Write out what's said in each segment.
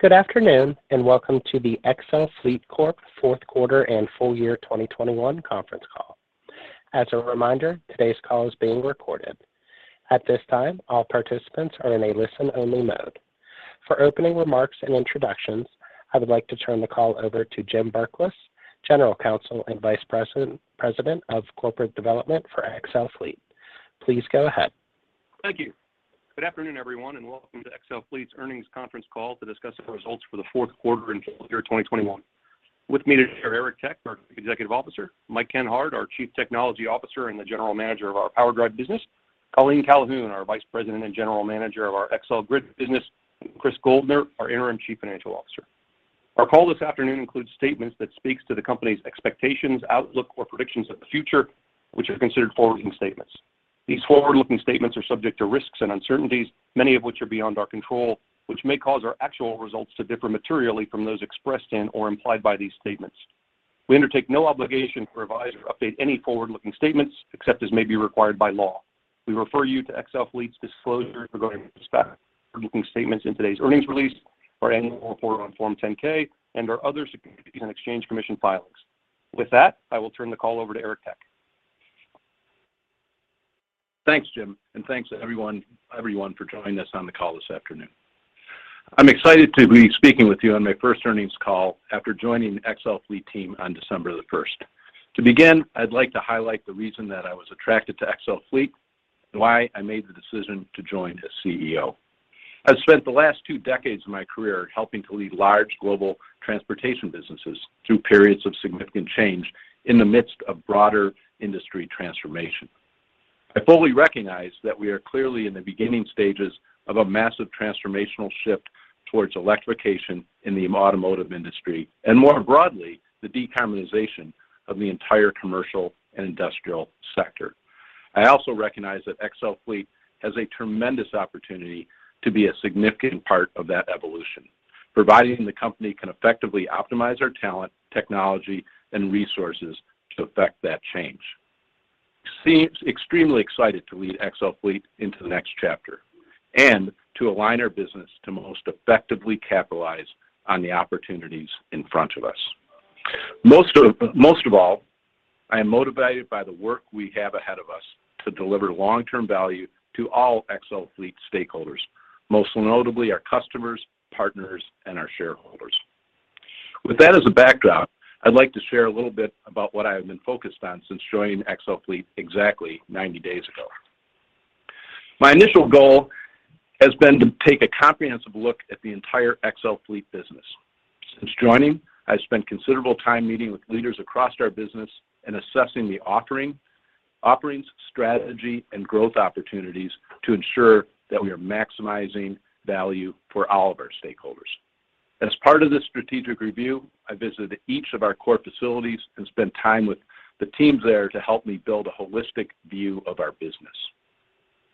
Good afternoon, and welcome to the XL Fleet Corp Q4 and full year 2021 conference call. As a reminder, today's call is being recorded. At this time, all participants are in a listen-only mode. For opening remarks and introductions, I would like to turn the call over to Jim Berklas, General Counsel and Vice President of Corporate Development for XL Fleet. Please go ahead. Thank you. Good afternoon, everyone, and welcome to XL Fleet's earnings conference call to discuss the results for the Q4 and full year 2021. With me today are Eric Tech, our Chief Executive Officer, Mike Kenhard, our Chief Technology Officer and the General Manager of our PowerDrive business, Colleen Calhoun, our Vice President and General Manager of our XL Grid business, and Chris Goldner, our interim Chief Financial Officer. Our call this afternoon includes statements that speaks to the company's expectations, outlook, or predictions of the future, which are considered forward-looking statements. These forward-looking statements are subject to risks and uncertainties, many of which are beyond our control, which may cause our actual results to differ materially from those expressed in or implied by these statements. We undertake no obligation to revise or update any forward-looking statements except as may be required by law. We refer you to XL Fleet's disclosure regarding forward-looking statements in today's earnings release, our annual report on Form 10-K and our other Securities and Exchange Commission filings. With that, I will turn the call over to Eric Tech. Thanks, Jim, and thanks everyone for joining us on the call this afternoon. I'm excited to be speaking with you on my first earnings call after joining XL Fleet team on December 1. To begin, I'd like to highlight the reason that I was attracted to XL Fleet and why I made the decision to join as CEO. I've spent the last two decades of my career helping to lead large global transportation businesses through periods of significant change in the midst of broader industry transformation. I fully recognize that we are clearly in the beginning stages of a massive transformational shift towards electrification in the automotive industry, and more broadly, the decarbonization of the entire commercial and industrial sector. I also recognize that XL Fleet has a tremendous opportunity to be a significant part of that evolution, providing the company can effectively optimize our talent, technology, and resources to affect that change. I'm extremely excited to lead XL Fleet into the next chapter and to align our business to most effectively capitalize on the opportunities in front of us. Most of all, I am motivated by the work we have ahead of us to deliver long-term value to all XL Fleet stakeholders, most notably our customers, partners, and our shareholders. With that as a backdrop, I'd like to share a little bit about what I have been focused on since joining XL Fleet exactly 90 days ago. My initial goal has been to take a comprehensive look at the entire XL Fleet business. Since joining, I've spent considerable time meeting with leaders across our business and assessing the offering, offerings, strategy, and growth opportunities to ensure that we are maximizing value for all of our stakeholders. As part of this strategic review, I visited each of our core facilities and spent time with the teams there to help me build a holistic view of our business.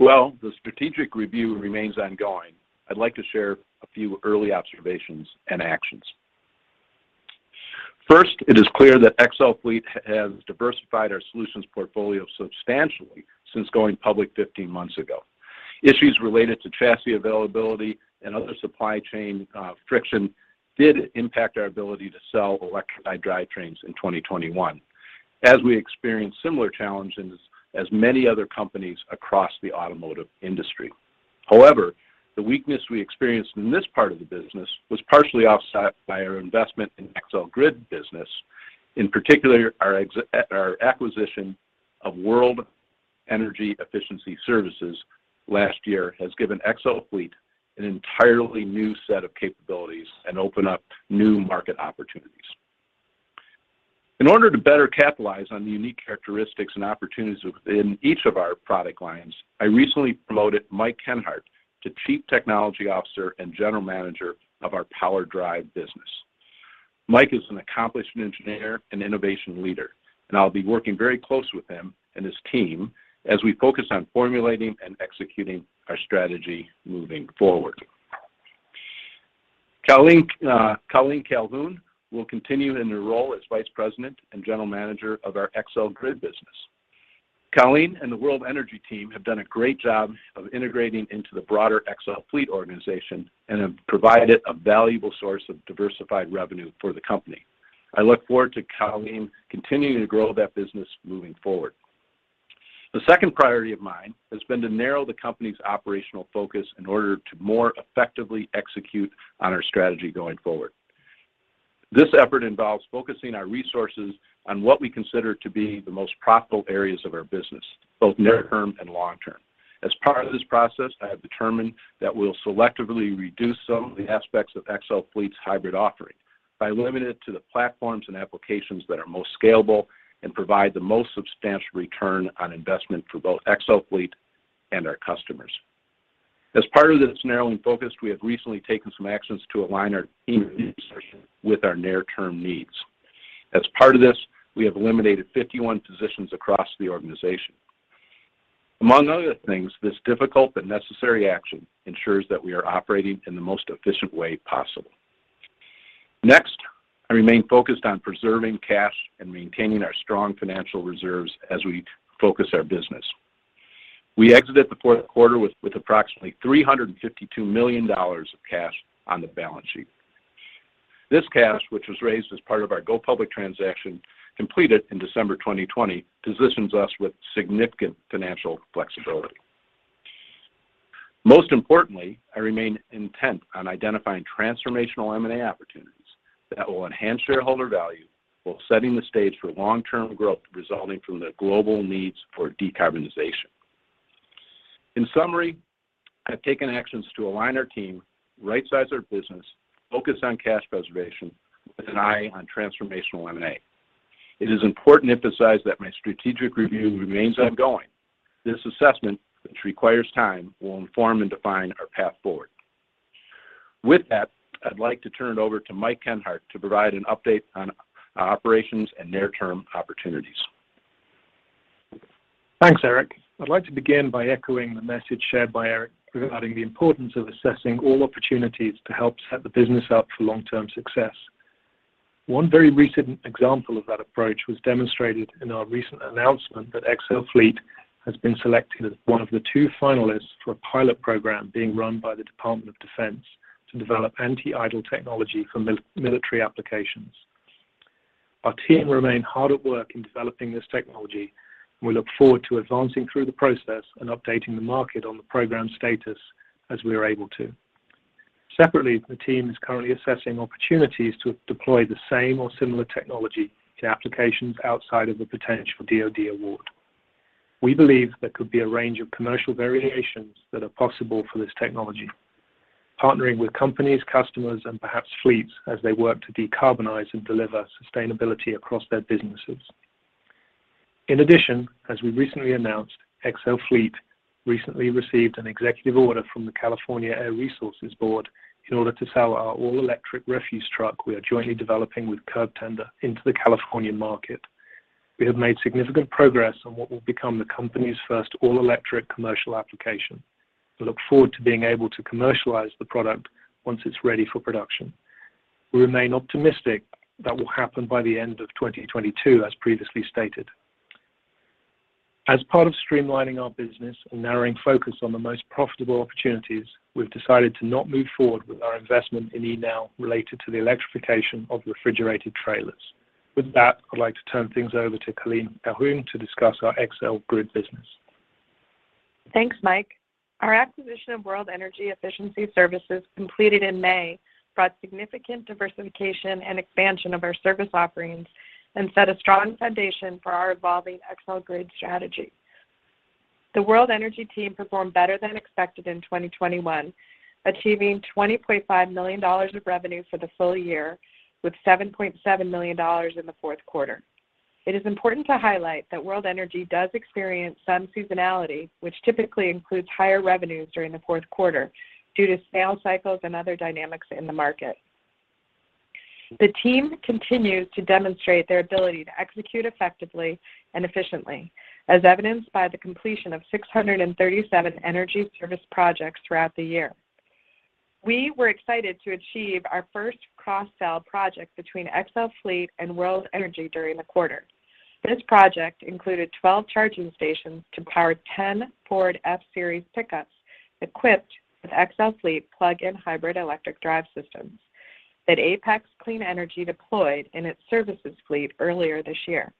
Well, the strategic review remains ongoing. I'd like to share a few early observations and actions. First, it is clear that XL Fleet has diversified our solutions portfolio substantially since going public 15 months ago. Issues related to chassis availability and other supply chain friction did impact our ability to sell electrified drivetrains in 2021, as we experienced similar challenges as many other companies across the automotive industry. However, the weakness we experienced in this part of the business was partially offset by our investment in XL Grid business. In particular, our acquisition of World Energy Efficiency Services last year has given XL Fleet an entirely new set of capabilities and opened up new market opportunities. In order to better capitalize on the unique characteristics and opportunities within each of our product lines, I recently promoted Mike Kenhard to Chief Technical Officer and General Manager of our Drivetrain business. Mike is an accomplished engineer and innovation leader, and I'll be working very closely with him and his team as we focus on formulating and executing our strategy moving forward. Colleen Calhoun will continue in her role as Vice President and General Manager of our XL Grid business. Colleen and the World Energy team have done a great job of integrating into the broader XL Fleet organization and have provided a valuable source of diversified revenue for the company. I look forward to Colleen continuing to grow that business moving forward. The second priority of mine has been to narrow the company's operational focus in order to more effectively execute on our strategy going forward. This effort involves focusing our resources on what we consider to be the most profitable areas of our business, both near term and long term. As part of this process, I have determined that we'll selectively reduce some of the aspects of XL Fleet's hybrid offering by limiting it to the platforms and applications that are most scalable and provide the most substantial return on investment for both XL Fleet and our customers. As part of this narrowing focus, we have recently taken some actions to align our team with our near-term needs. As part of this, we have eliminated 51 positions across the organization. Among other things, this difficult but necessary action ensures that we are operating in the most efficient way possible. Next, I remain focused on preserving cash and maintaining our strong financial reserves as we focus our business. We exited the Q4 with approximately $352 million of cash on the balance sheet. This cash, which was raised as part of our go public transaction completed in December 2020, positions us with significant financial flexibility. Most importantly, I remain intent on identifying transformational M&A opportunities that will enhance shareholder value while setting the stage for long-term growth resulting from the global needs for decarbonization. In summary, I've taken actions to align our team, right-size our business, focus on cash preservation with an eye on transformational M&A. It is important to emphasize that my strategic review remains ongoing. This assessment, which requires time, will inform and define our path forward. With that, I'd like to turn it over to Dimitri Kazarinoff to provide an update on our operations and near-term opportunities. Thanks, Eric. I'd like to begin by echoing the message shared by Eric regarding the importance of assessing all opportunities to help set the business up for long-term success. One very recent example of that approach was demonstrated in our recent announcement that XL Fleet has been selected as one of the two finalists for a pilot program being run by the Department of Defense to develop anti-idle technology for military applications. Our team remain hard at work in developing this technology, and we look forward to advancing through the process and updating the market on the program status as we are able to. Separately, the team is currently assessing opportunities to deploy the same or similar technology to applications outside of the potential DoD award. We believe there could be a range of commercial variations that are possible for this technology, partnering with companies, customers, and perhaps fleets as they work to decarbonize and deliver sustainability across their businesses. In addition, as we recently announced, XL Fleet recently received an executive order from the California Air Resources Board in order to sell our all-electric refuse truck we are jointly developing with Curbtender into the California market. We have made significant progress on what will become the company's first all-electric commercial application. We look forward to being able to commercialize the product once it's ready for production. We remain optimistic that will happen by the end of 2022, as previously stated. As part of streamlining our business and narrowing focus on the most profitable opportunities, we've decided to not move forward with our investment in eNow related to the electrification of refrigerated trailers. With that, I'd like to turn things over to Colleen Calhoun to discuss our XL Grid business. Thanks, Mike. Our acquisition of World Energy Efficiency Services completed in May brought significant diversification and expansion of our service offerings and set a strong foundation for our evolving XL Grid strategy. The World Energy team performed better than expected in 2021, achieving $20.5 million of revenue for the full year, with $7.7 million in the Q4. It is important to highlight that World Energy does experience some seasonality, which typically includes higher revenues during the Q4 due to sales cycles and other dynamics in the market. The team continues to demonstrate their ability to execute effectively and efficiently, as evidenced by the completion of 637 energy service projects throughout the year. We were excited to achieve our first cross-sell project between XL Fleet and World Energy during the quarter. This project included 12 charging stations to power 10 Ford F-Series pickups equipped with XL Fleet plug-in hybrid electric drive systems that Apex Clean Energy deployed in its services fleet earlier this year.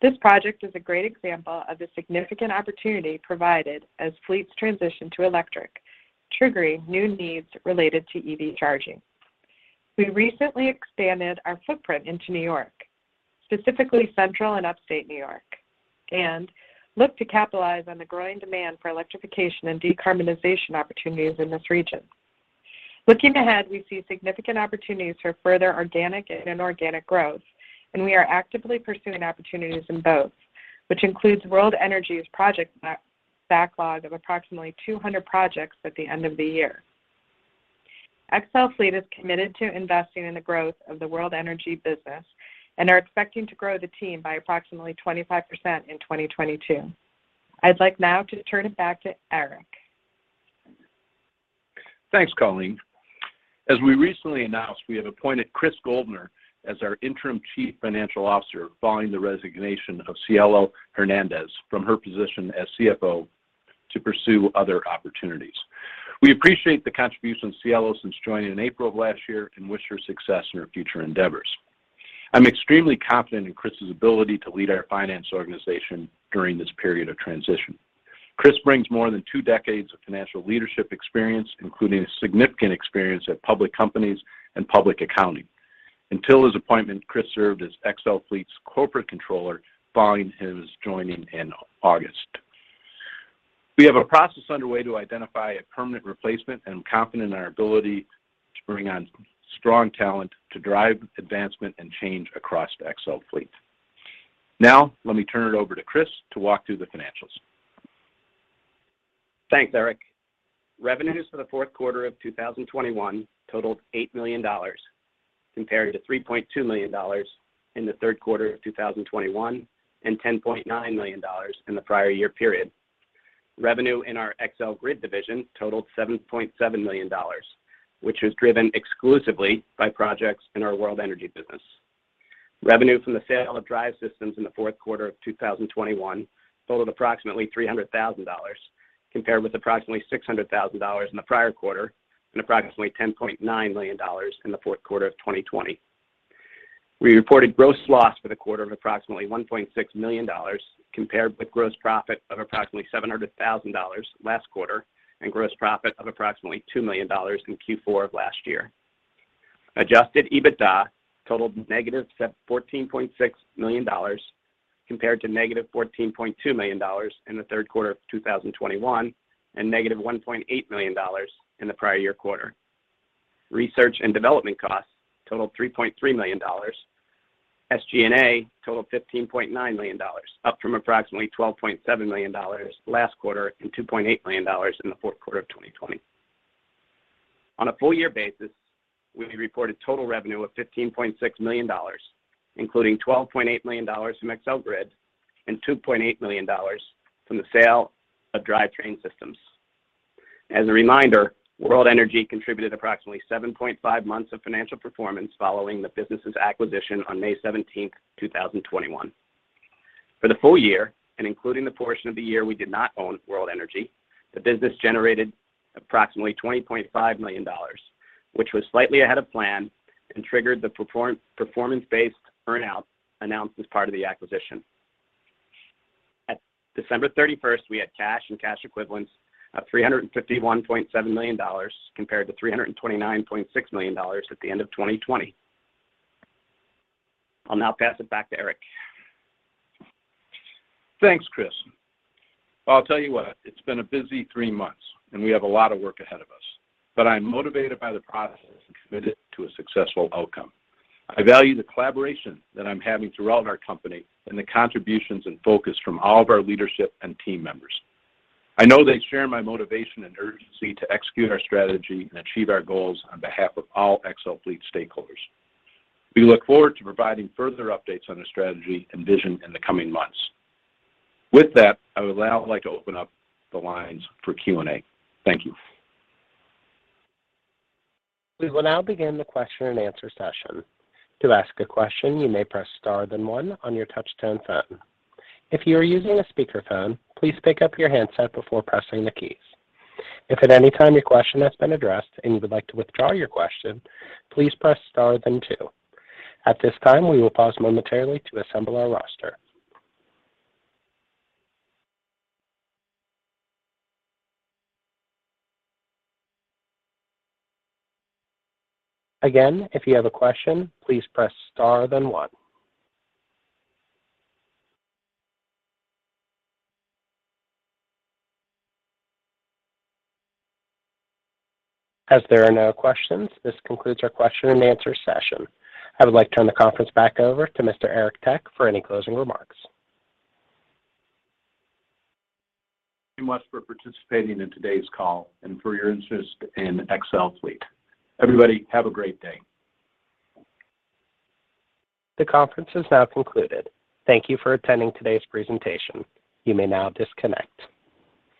This project is a great example of the significant opportunity provided as fleets transition to electric, triggering new needs related to EV charging. We recently expanded our footprint into New York, specifically Central and Upstate New York, and look to capitalize on the growing demand for electrification and decarbonization opportunities in this region. Looking ahead, we see significant opportunities for further organic and inorganic growth, and we are actively pursuing opportunities in both, which includes World Energy's project backlog of approximately 200 projects at the end of the year. XL Fleet is committed to investing in the growth of the World Energy business and are expecting to grow the team by approximately 25% in 2022. I'd like now to turn it back to Eric. Thanks, Colleen. As we recently announced, we have appointed Chris Goldner as our interim Chief Financial Officer following the resignation of Cielo Hernandez from her position as CFO to pursue other opportunities. We appreciate the contribution of Cielo since joining in April of last year and wish her success in her future endeavors. I'm extremely confident in Chris's ability to lead our finance organization during this period of transition. Chris brings more than two decades of financial leadership experience, including significant experience at public companies and public accounting. Until his appointment, Chris served as XL Fleet's Corporate Controller following his joining in August. We have a process underway to identify a permanent replacement, and I'm confident in our ability to bring on strong talent to drive advancement and change across XL Fleet. Now, let me turn it over to Chris to walk through the financials. Thanks, Eric. Revenues for the Q4 of 2021 totaled $8 million, compared to $3.2 million in the Q3 of 2021 and $10.9 million in the prior year period. Revenue in our XL Grid division totaled $7.7 million, which was driven exclusively by projects in our World Energy business. Revenue from the sale of drive systems in the Q4 of 2021 totaled approximately $300 thousand, compared with approximately $600 thousand in the prior quarter and approximately $10.9 million in the Q4 of 2020. We reported gross loss for the quarter of approximately $1.6 million, compared with gross profit of approximately $700 thousand last quarter and gross profit of approximately $2 million in Q4 of last year. Adjusted EBITDA totaled -$14.6 million, compared to -$14.2 million in the Q3of 2021 and -$1.8 million in the prior year quarter. Research and development costs totaled $3.3 million. SG&A totaled $15.9 million, up from approximately $12.7 million last quarter and $2.8 million in the Q4 of 2020. On a full year basis, we reported total revenue of $15.6 million, including $12.8 million from XL Grid and $2.8 million from the sale of Drivetrain systems. As a reminder, World Energy contributed approximately 7.5 months of financial performance following the business's acquisition on May 17, 2021. For the full year, including the portion of the year we did not own World Energy, the business generated approximately $20.5 million, which was slightly ahead of plan and triggered the performance-based earn-out announced as part of the acquisition. At December 31st, we had cash and cash equivalents of $351.7 million compared to $329.6 million at the end of 2020. I'll now pass it back to Eric. Thanks, Chris. Well, I'll tell you what, it's been a busy three months, and we have a lot of work ahead of us, but I'm motivated by the process and committed to a successful outcome. I value the collaboration that I'm having throughout our company and the contributions and focus from all of our leadership and team members. I know they share my motivation and urgency to execute our strategy and achieve our goals on behalf of all XL Fleet stakeholders. We look forward to providing further updates on the strategy and vision in the coming months. With that, I would now like to open up the lines for Q&A. Thank you. We will now begin the question and answer session. To ask a question, you may press * then one on your touch tone phone. If you are using a speakerphone, please pick up your handset before pressing the keys. If at any time your question has been addressed and you would like to withdraw your question, please press * then two. At this time, we will pause momentarily to assemble our roster. Again, if you have a question, please press * then one. As there are no questions, this concludes our question and answer session. I would like to turn the conference back over to Mr. Eric Tech for any closing remarks. Thank you much for participating in today's call and for your interest in XL Fleet. Everybody, have a great day. The conference is now concluded. Thank you for attending today's presentation. You may now disconnect.